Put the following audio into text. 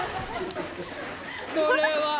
これは。